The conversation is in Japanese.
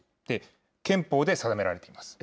憲法で定められています。